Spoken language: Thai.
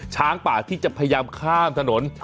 ช้างป่าที่จะพยายามข้ามถนน